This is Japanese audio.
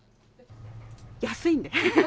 安いんで。